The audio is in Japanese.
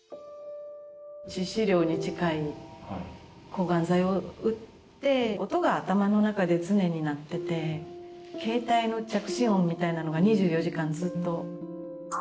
致死量に近い抗がん剤を打って、音が頭の中で常に鳴ってて、携帯の着信音みたいなのが２４時間ずっと。